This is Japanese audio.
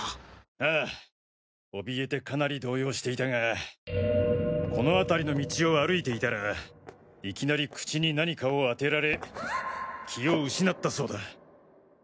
あぁ怯えてかなり動揺していたがこのあたりの道を歩いていたらいきなり口に何かをあてられ気を失ったそうだ。